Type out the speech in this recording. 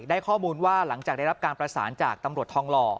ข้อมูลว่าหลังจากได้รับการประสานจากตำรวจทองหล่อ